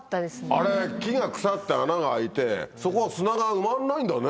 あれ木が腐って穴が開いてそこ砂が埋まんないんだね。